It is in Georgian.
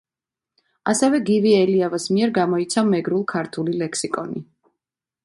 ასევე გივი ელიავას მიერ გამოიცა მეგრულ-ქართული ლექსიკონი.